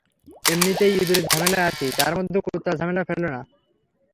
এমনিতেই ইঁদুরের ঝামেলায় আছি, তারমধ্যে কুত্তার ঝামেলায় ফেলো না।